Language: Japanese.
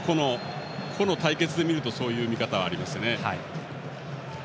個の対決で見るとそういう見方はありますね。